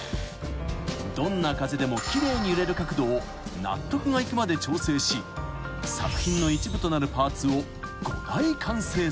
［どんな風でも奇麗に揺れる角度を納得がいくまで調整し作品の一部となるパーツを］